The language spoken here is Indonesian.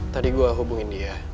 tadi gue hubungin dia